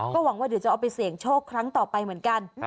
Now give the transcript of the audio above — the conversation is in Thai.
ก็หวังว่าเดี๋ยวจะเอาไปเสี่ยงโชคครั้งต่อไปเหมือนกัน